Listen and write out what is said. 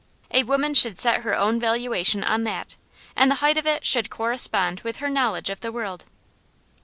A woman should set her own valuation on that; and the height of it should correspond with her knowledge of the world."